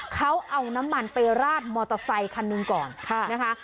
เขาเอาน้ำมันไปราดมอเตอร์ไซคันหนึ่งก่อนนะคะ